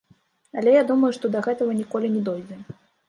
Але я думаю, што да гэтага ніколі не дойдзе.